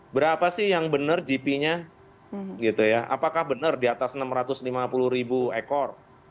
berapa sih yang benar gp nya gitu ya apakah benar di atas enam ratus lima puluh ribu ekor